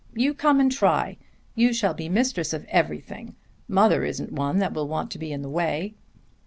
You come and try. You shall be mistress of everything. Mother isn't one that will want to be in the way."